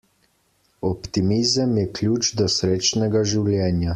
Optimizem je ključ do srečnega življenja.